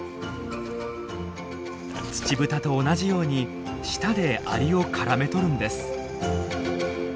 ツチブタと同じように舌でアリをからめとるんです。